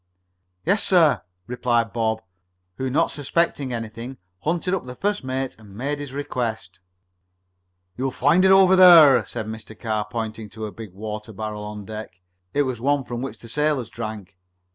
"Yes, sir," replied Bob, who, not suspecting anything, hunted up the first mate and made his request. "You'll find it right over there," said Mr. Carr, pointing to a big water barrel on deck. It was one from which the sailors drank.